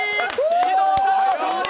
獅童さんの勝利！